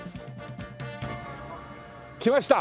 来ました。